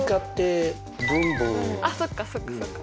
あっそっかそっかそっか。